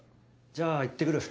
じゃあ行ってくる。